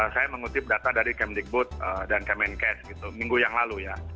saya mengutip data dari kemdikbud dan kemenkes gitu minggu yang lalu ya